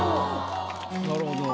なるほど。